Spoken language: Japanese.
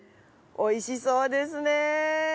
美味しそうですね。